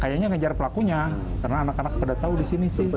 kayaknya ngejar pelakunya karena anak anak pada tahu di sini sih